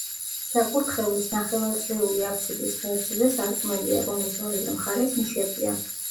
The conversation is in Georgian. საკურთხევლის ნახევარწრიული აფსიდის ღერძზე სარკმელია, რომლის ორივე მხარეს ნიშებია.